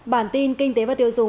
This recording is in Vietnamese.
bản tin kinh tế và tiêu dùng